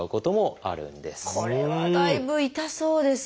これはだいぶ痛そうですけれども。